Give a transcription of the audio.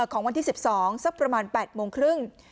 ของวันที่สิบสองสักประมาณแปดโมงครึ่ง